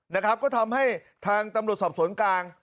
นะครับก็ทำให้ทางตำรวจสอบสวนกลาง